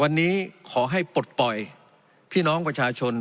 วันนี้ขอให้ปลดปล่อยพี่น้องประชาชน